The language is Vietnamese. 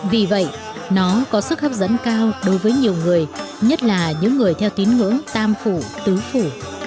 vì vậy nó có sức hấp dẫn cao đối với nhiều người nhất là những người theo tín ngưỡng tam phủ tứ phủ